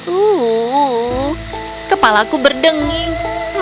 uh kepalaku berdenging